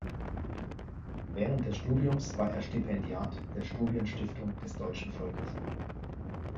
Während des Studiums war er Stipendiat der Studienstiftung des deutschen Volkes.